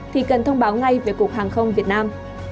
thì cần thông báo ngay về cục hàng không việt nam